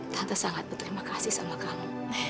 tante sangat berterima kasih sama kamu